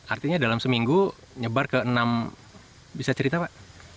artinya dalam seminggu nyebar ke enam bisa cerita pak